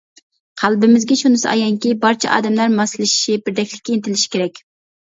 قەلبىمىزگە شۇنىسى ئايانكى، بارچە ئادەملەر ماسلىشىشى، بىردەكلىككە ئىنتىلىشى كېرەك.